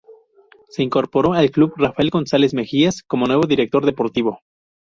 Se incorporó al club Rafael González Mejías como nuevo director deportivo.